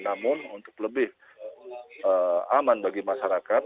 namun untuk lebih aman bagi masyarakat